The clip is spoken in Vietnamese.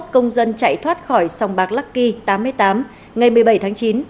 công dân chạy thoát khỏi sòng bạc lắc kỳ tám mươi tám ngày một mươi bảy tháng chín